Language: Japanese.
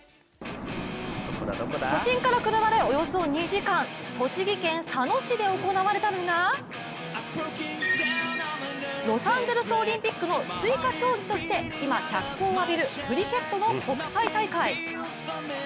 都心から車でおよそ２時間栃木県佐野市で行われたのはロサンゼルスオリンピックの追加競技として今、脚光を浴びるクリケットの国際大会。